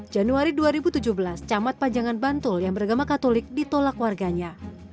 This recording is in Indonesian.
januari dua ribu tujuh belas camat pajangan bantul yang beragama katolik ditolak warganya